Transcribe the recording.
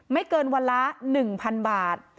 ไม่เกินวันละ๑๐๐๐บาท